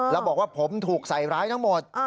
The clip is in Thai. แล้วบอกว่าผมถูกใส่ร้ายทั้งหมด